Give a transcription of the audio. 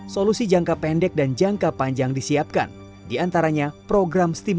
solusi jangka pendek dan jangka panjang disiapkan diantaranya program stimulus